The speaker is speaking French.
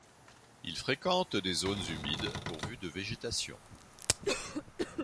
Il fréquente les zones humides pourvues de végétation.